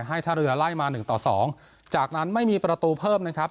ท่าเรือไล่มาหนึ่งต่อสองจากนั้นไม่มีประตูเพิ่มนะครับ